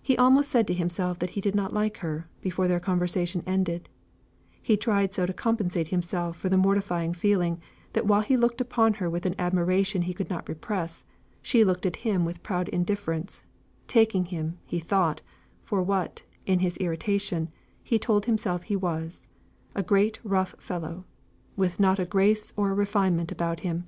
He almost said to himself that he did not like her, before their conversation ended; he tried so to compensate himself for the mortified feeling, that while he looked upon her with an admiration he could not repress, she looked at him with proud indifference, taking him, he thought, for what, in his irritation, he told himself he was a great rough fellow, with not a grace or a refinement about him.